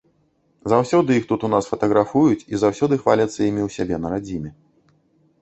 Заўсёды іх тут у нас фатаграфуюць і заўсёды хваляцца імі ў сябе на радзіме.